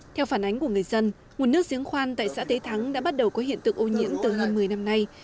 theo phản ánh của người dân nguồn nước xiếng khoan tại xã tế thắng đã bắt đầu có hiện tượng ủ nhiễm từ hai mươi năm nay